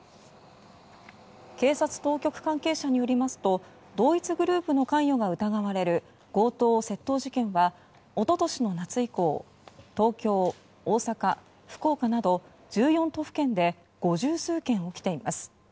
警察当局関係者によりますと同一グループの関与が疑われる強盗・窃盗事件は一昨年の夏以降東京、大阪、福岡など１４都府県で五十数件起きています。